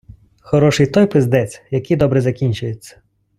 Хороший той пиздець, який добре закінчується.